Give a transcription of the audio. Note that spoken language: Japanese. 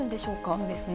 そうですね。